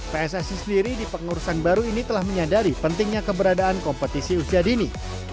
pssi sendiri di pengurusan baru ini telah menyadari pentingnya keberadaan kompetisi usia dini